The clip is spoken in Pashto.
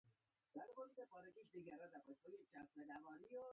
بيا اصلي تونل ته ورسېدو.